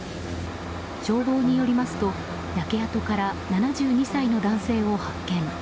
消防によりますと、焼け跡から７２歳の男性を発見。